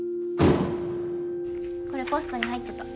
これポストに入ってた。